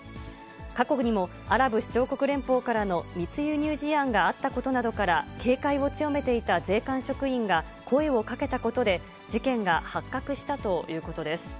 過去にもアラブ首長国連邦からの密輸入事案があったことなどから、警戒を強めていた税関職員が声をかけたことで、事件が発覚したということです。